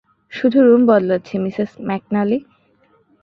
শুধু রুম বদলাচ্ছি Mrs McNally.